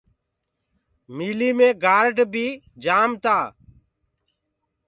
ميٚليٚ مي گآرڊ بي جآم تآ۔